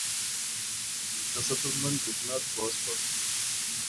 The settlement did not prosper.